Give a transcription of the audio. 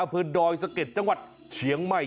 อำเภอดอยสะเก็ดจังหวัดเฉียงใหม่